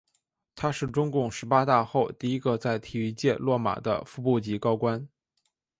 他是中共十八大后第一个在体育界落马的副部级高官。